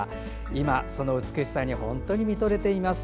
今、その美しさに本当に見とれています。